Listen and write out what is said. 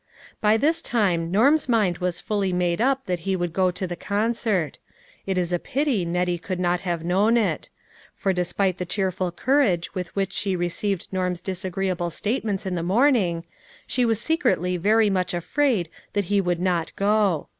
By this time Norm's mind was fully made up that he would go to the concert. It is a pity Nettie could not have known it. For despite the cheerful courage with which she received 266 LITTLE FISHERS: AND THEIB NETS. Norm's disagreeable statements in the morning, she was secretly very much afraid that he would not go.